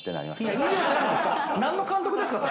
何の監督ですか？